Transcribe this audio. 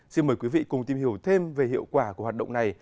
xin mời quý vị cùng tìm hiểu thêm về hiệu quả của hoạt động này